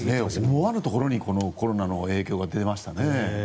思わぬところにコロナの影響が出ましたね。